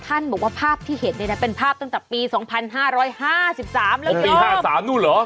ท่านบอกว่าภาพที่เห็นเลยนะเป็นภาพตั้งแต่ปีสองพันห้าร้อยห้าสิบสามแล้วเยอะปีห้าสามนู้นเหรอ